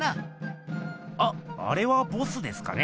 あっあれはボスですかね？